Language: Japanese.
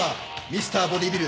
ミスターボディビル